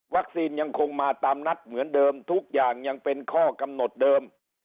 ยังคงมาตามนัดเหมือนเดิมทุกอย่างยังเป็นข้อกำหนดเดิม